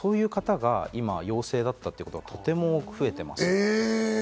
そういう方がいま陽性だったという方がいま増えています。